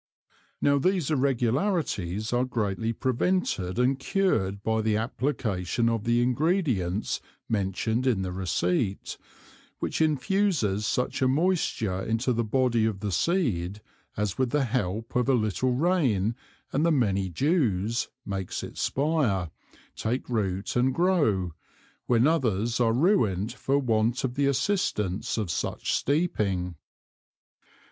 Now these irregularities are greatly prevented and cured by the application of the ingredients mentioned in the Receipt, which infuses such a moisture into the body of the Seed, as with the help of a little Rain and the many Dews, makes it spire, take root and grow, when others are ruined for want of the assistance of such steeping.